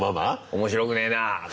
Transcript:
面白くねえなって。